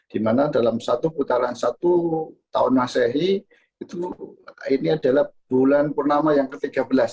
di mana dalam satu putaran satu tahun masehi itu adalah bulan purnama yang ke tiga belas